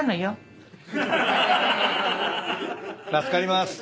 助かります。